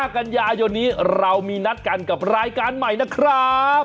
กันยายนนี้เรามีนัดกันกับรายการใหม่นะครับ